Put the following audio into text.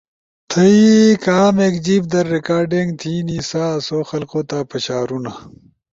تھئی کامیک جیب در ریکارڈنگ تھینی سا آسو خلقو تا پشارونا